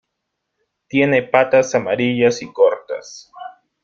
Tiene patas amarillas y cortas.